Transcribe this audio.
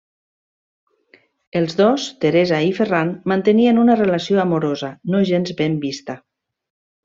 Els dos, Teresa i Ferran, mantenien una relació amorosa, no gens ben vista.